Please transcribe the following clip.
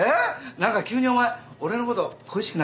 なんか急にお前俺の事恋しくなったか？